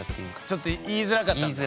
ちょっと言いづらかったんだ。